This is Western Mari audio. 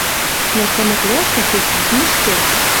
Но кымыт лошты сек изиштӹ